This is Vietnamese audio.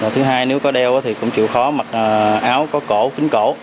thứ hai nếu có đeo thì cũng chịu khó mặc áo có cổ kính cổ